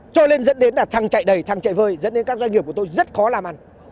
cho lên dẫn đến là thằng chạy đầy thằng chạy vơi dẫn đến các doanh nghiệp của tôi rất khó làm ăn